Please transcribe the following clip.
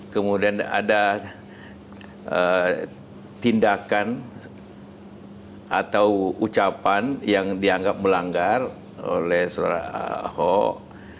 kemudian ada tindakan atau ucapan yang dianggap melanggar oleh ahok